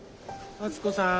敦子さん。